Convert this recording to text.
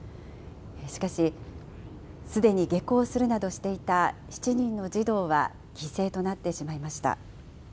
しかし、すでに下校するなどしていた７人の児童は犠牲となってしまいました。